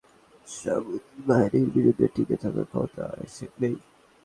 আমেরিকার মতো সর্বাধুনিক সামরিক বাহিনীর বিরুদ্ধে টিকে থাকার ক্ষমতা আইএসের নেই।